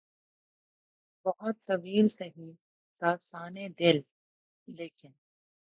بہت طویل سہی داستانِ دل ، لیکن